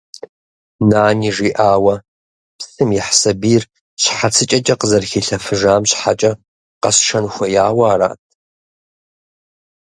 Нани жиӏауэ, псым ихь сабийр щхьэцыкӏэкӏэ къызэрыхилъэфыжам щхьэкӏэ къэсшэн хуеяуэ арат?